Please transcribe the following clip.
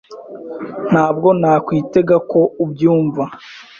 Ntabwo nakwitega ko ubyumva.